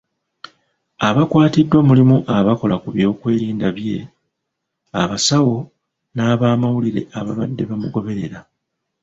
Abakwatiddwa mulimu abakola ku by'okwerinda bye, abasawo n'abamawulire ababadde bamugoberera.